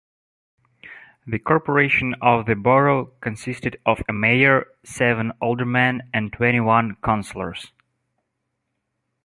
The corporation of the borough consisted of a mayor, seven aldermen and twenty-one councillors.